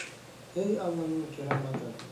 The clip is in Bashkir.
— Эй Алланың кираматы!